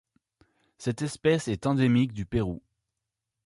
Cette espèce est endémique du Pérou.